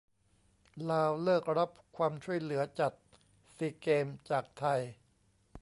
ลาวเลิกรับความช่วยเหลือจัด "ซีเกมส์" จากไทย